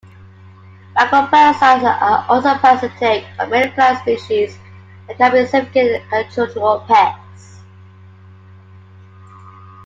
Macroparasites are also parasitic of many plant species, and can be significant agricultural pests.